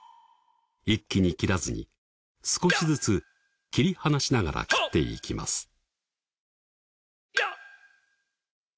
一気に切らずに少しずつ切り離しながら切っていきます